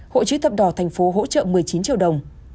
hội chức thập đỏ tp hỗ trợ một mươi chín triệu đồng